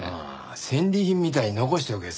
戦利品みたいに残しておく奴